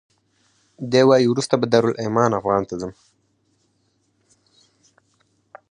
دی وایي وروسته به دارالایمان افغان ته ځم.